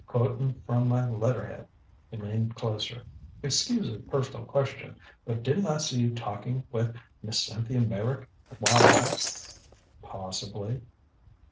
Quoting from my letter head." He leaned closer. "Excuse a personal question, but didn't I see you talking with Miss Cynthia Meyrick a while back?" "Possibly."